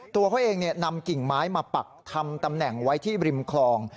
ตัวเขาเองนำกิ่งไม้มาปักทำตำแหน่งไว้ที่ริมคลอง